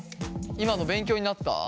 今の勉強になった？